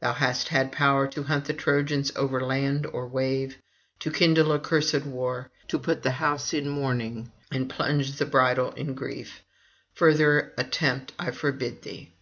Thou hast had power to hunt the Trojans over land or wave, to kindle accursed war, to put the house in mourning, and plunge the bridal in grief: further attempt I forbid thee.'